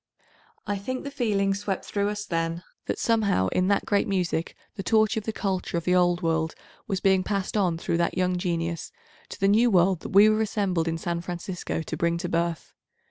I think the feeling swept through us then that somehow in that great music the torch of the 863 culture of the old world was being passed on through that young genius, to the new world that we were assembled in San Francisco to bring to birth.